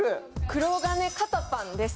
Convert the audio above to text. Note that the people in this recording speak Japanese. くろがね堅パンです